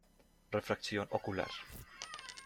Refracción ocular.